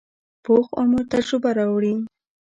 پوخ عمر تجربه راوړي